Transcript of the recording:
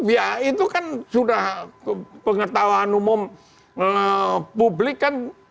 ya itu kan sudah pengetahuan umum publik kan